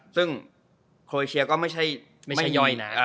ซึ่งโครเชียร์ก็ไม่ใช่ไม่ย่อยนะ